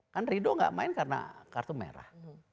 kan ridho gak main karena kartu merah